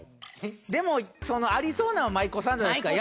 でもありそうなのは舞妓さんじゃないですか。